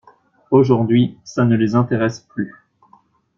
Aujourd’hui, ça ne les intéresse plus.